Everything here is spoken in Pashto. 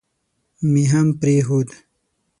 مې هم پرېښود.